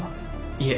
いえ。